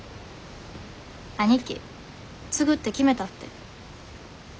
兄貴継ぐって決めたって。